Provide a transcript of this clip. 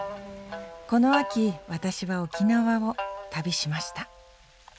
この秋私は沖縄を旅しました。